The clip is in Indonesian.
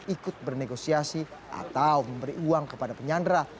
ikut bernegosiasi atau memberi uang kepada penyandra